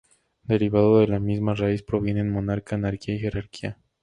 Derivado de la misma raíz provienen monarca, anarquía y jerarquía.